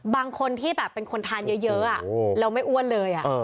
บางคนที่แบบเป็นคนทานเยอะแล้วไม่อ้วนเลย